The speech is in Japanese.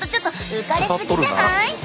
浮かれすぎじゃない？